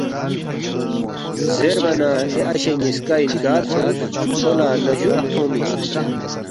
زیربا نہ اے اشے نِ٘یسکا انکار سونگس، ”کھو لہ نجُوم تھونگمی اِن